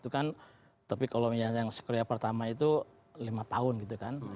itu kan tapi kalau yang skenario pertama itu lima tahun gitu kan